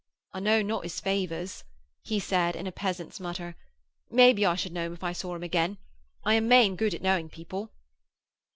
'I know not his favours,' he said in a peasant's mutter. 'Maybe I should know him if I saw him again. I am main good at knowing people.'